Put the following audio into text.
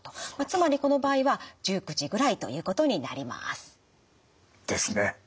つまりこの場合は１９時ぐらいということになります。ですね。